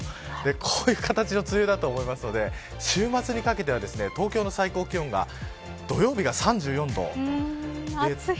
こういう形の梅雨だと思いますので、週末にかけては東京の最高気温が暑い。